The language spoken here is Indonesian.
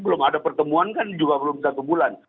belum ada pertemuan kan juga belum satu bulan